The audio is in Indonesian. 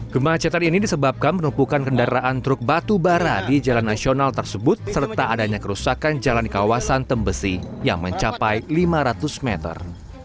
kemacetan ini disebabkan penumpukan kendaraan truk batubara di jalan nasional tersebut serta adanya kerusakan jalan di kawasan tembesi yang mencapai lima ratus meter